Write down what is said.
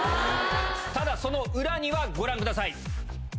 ただ、その裏にはご覧ください。